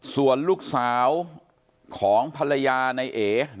ส่วนลูกสาวของภรรยานายเอกนะครับ